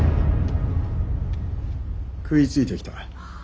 食いついてきた。